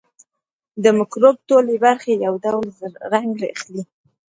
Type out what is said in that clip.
د مکروب ټولې برخې یو ډول رنګ اخلي.